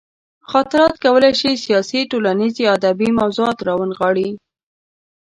خاطرات کولی شي سیاسي، ټولنیز یا ادبي موضوعات راونغاړي.